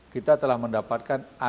kita telah mendapatkan